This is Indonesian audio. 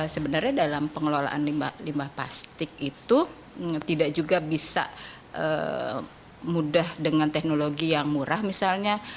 sebenarnya dalam pengelolaan limbah plastik itu tidak juga bisa mudah dengan teknologi yang murah misalnya